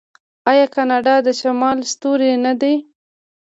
آیا کاناډا د شمال ستوری نه دی؟